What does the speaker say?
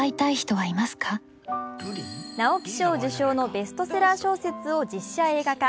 直木賞受賞のベストセラー小説を実写映画化。